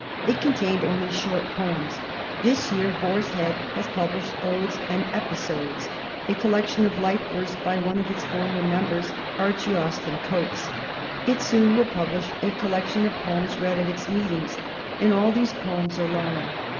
It con tained only short poems. This year Boar's Head has published Odes and Episodes, a collection of light verse by one of its former members, Archie Austin Coates. It soon will publish a collection of poems read at its meetings, and all these poems are long.